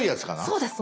そうです。